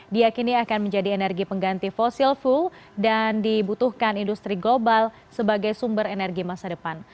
diakini akan menjadi energi pengganti fosil full dan dibutuhkan industri global sebagai sumber energi masa depan